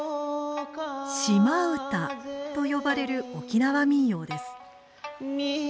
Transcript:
島唄と呼ばれる沖縄民謡です。